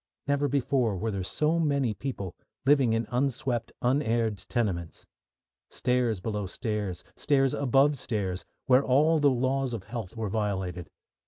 Never before were there so many people living in unswept, unaired tenements. Stairs below stairs, stairs above stairs, where all the laws of health were violated.